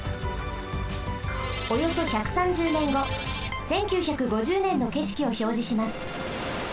およそ１３０ねんご１９５０ねんのけしきをひょうじします。